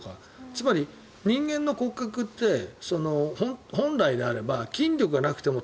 つまり、人間の骨格って本来であれば筋力がなくても